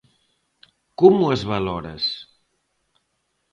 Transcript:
Como as valoras?